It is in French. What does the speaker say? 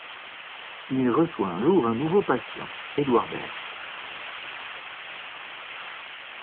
Il reçoit un jour un nouveau patient, Édouard Berg.